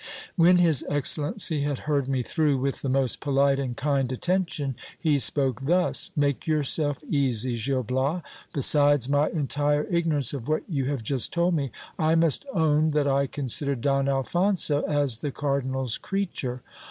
When his excellency had heard me through with the most polite and kind attention, he spoke thus : Make yourself easy, Gil Bias. Besides my entire ignorance of what you have just told me, I must own that I considered Don Alphonso as the cardinal's creature.